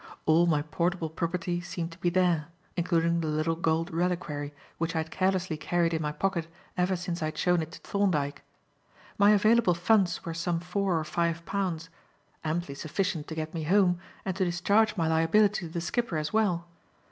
All my portable property seemed to be there, including the little gold reliquary, which I had carelessly carried in my pocket ever since I had shown it to Thorndyke. My available funds were some four or five pounds; amply sufficient to get me home and to discharge my liability to the skipper as well.